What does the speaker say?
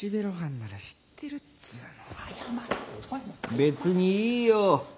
別にいいよ。